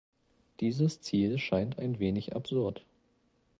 Dieses Ziel scheint ein wenig absurd.